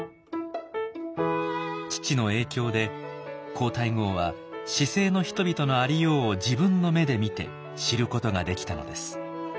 父の影響で皇太后は市井の人々のありようを自分の目で見て知ることができたのです。